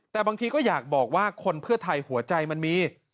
แต่บางทีก็อยากบอกว่าคนเพื่อไทยหัวใจมันมี